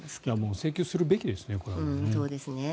請求するべきですね